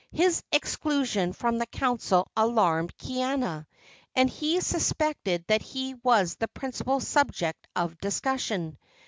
His exclusion from the council alarmed Kaiana, and he suspected that he was the principal subject of discussion.